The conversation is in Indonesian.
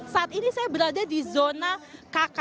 saat ini saya berada di zona kk